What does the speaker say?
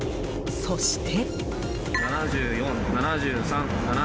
そして。